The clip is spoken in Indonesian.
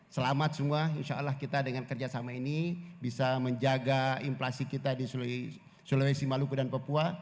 selamat semua insya allah kita dengan kerjasama ini bisa menjaga inflasi kita di sulawesi maluku dan papua